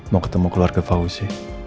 mau ketemu keluarga fauzi